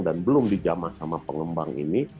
dan belum dijama sama pengembang ini